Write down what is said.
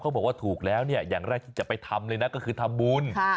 เค้าก็บอกว่าถูกแล้วอย่างแรกที่จะไปทำเลยก็คือทำบุญ